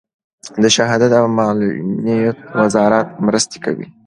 د شهدا او معلولینو وزارت مرستې کوي